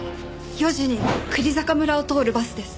４時に久里坂村を通るバスです。